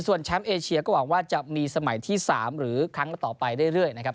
ส่วนแชมป์เอเชียก็หวังว่าจะมีสมัยที่๓หรือครั้งต่อไปเรื่อยนะครับ